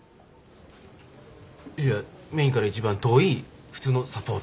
いやメインから一番遠い普通のサポート。